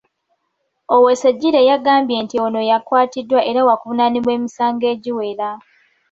Owoyesigyire yagambye nti ono yakwatiddwa era waakuvunaanibwa emisango egiwera.